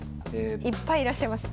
いっぱいいらっしゃいます。